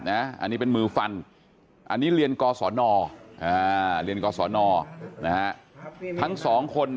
อันนี้เป็นมือฟันอันนี้เรียนกศนเรียนกศนทั้ง๒คน